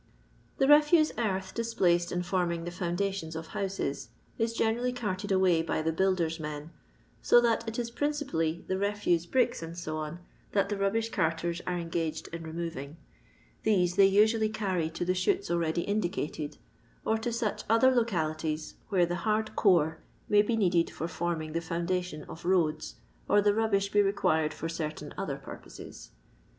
The refuse earth displaced in forming the foun dations of houses is generally carted away by the builders' men, so that it is principally the refuse bricks, &c, that the rubbish carters are engaged in removing; these they usually carry to the shoots already indicated, or to such other localities where the hard core may be needed for forming the foundation of roads, or the rubbish be re quired for certain other purposes.